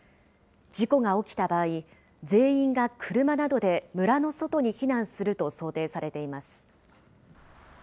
事故が起きた場合、全員が車などで村の外に避難すると想定されています。